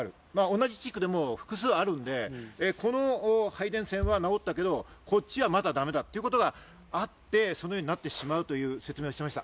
同じ地区でも複数あるのでこの配電線は直ったけど、こっちはまだダメだということがあって、そのようになってしまうという説明をしていました。